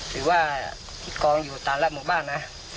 หรือว่าที่กองอยู่ต่างและหมุ่งบ้านนะ